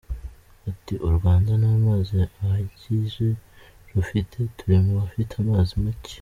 Ati “U Rwanda nta mazi ahagije rufite, turi mu bafite amazi make.